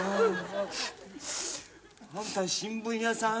あんた新聞屋さん？